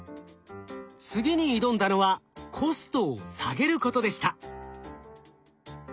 次に挑んだのはコストを下げることでした。